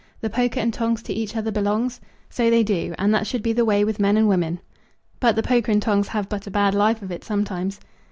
'The poker and tongs to each other belongs.' So they do, and that should be the way with men and women." "But the poker and tongs have but a bad life of it sometimes."